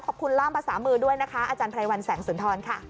ล่ามภาษามือด้วยนะคะอาจารย์ไพรวัลแสงสุนทรค่ะ